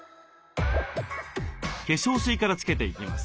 化粧水からつけていきます。